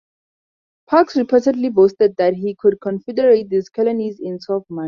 Parkes reportedly boasted that he "could confederate these colonies in twelve months".